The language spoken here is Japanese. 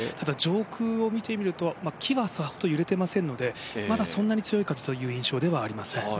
上空を見てみると木はさほど揺れていませんのでまだそんなに強い風という印象ではありません。